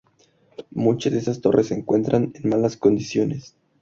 Muchas de estas torres se encuentran en malas condiciones.